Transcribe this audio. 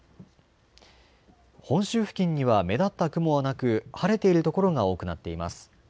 本州付近には目立った雲はなく晴れている所が多くなっています。